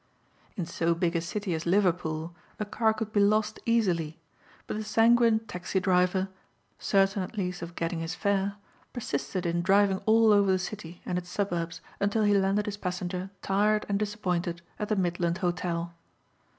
In so big a city as Liverpool a car could be lost easily but the sanguine taxi driver, certain at least of getting his fare, persisted in driving all over the city and its suburbs until he landed his passenger tired and disappointed at the Midland Hotel.